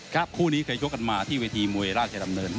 ครับคู่นี้เคยกดกันมาที่เวทีมวยล่าเทศดำเนิน